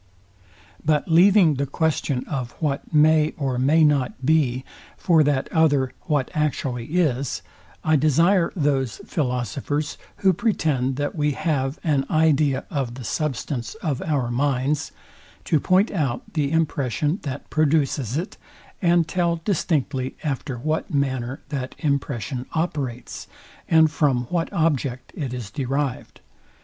But leaving the question of what may or may not be, for that other what actually is, I desire those philosophers, who pretend that we have an idea of the substance of our minds, to point out the impression that produces it, and tell distinctly after what manner that impression operates, and from what object it is derived.